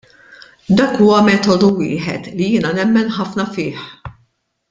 Dak huwa metodu wieħed li jiena nemmen ħafna fih.